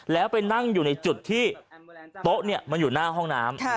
แล้วไปนั่งอยู่ในจุดที่โต๊ะมันอยู่หน้าห้องน้ำ